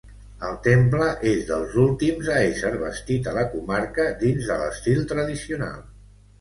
El temple és dels últims a ésser bastit a la comarca dins de l'estil tradicional.